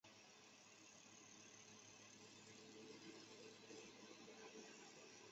我这辈子就爱过这一个人。